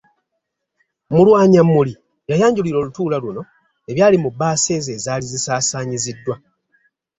Mulwanyammuli yayanjulira olutuula luno ebyali mu bbaasa ezo ezaali zisaasanyiziddwa.